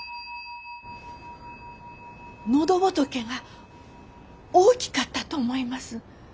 喉仏が大きかったと思います。